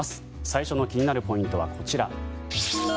最初の気になるポイントはこちら。